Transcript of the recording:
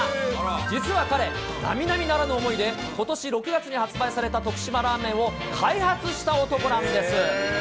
実は彼、なみなみならぬ思いで、ことし６月に発売された徳島ラーメンを開発した男なんです。